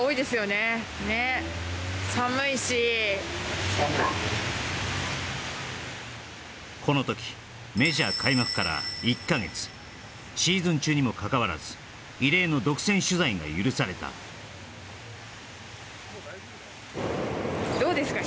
ねっ寒いしこの時メジャー開幕から１か月シーズン中にもかかわらず異例の独占取材が許されたどうですか？